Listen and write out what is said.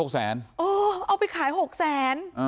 อ้าวเอาไปขาย๖แส